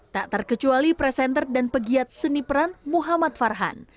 tak terkecuali presenter dan pegiat seni peran muhammad farhan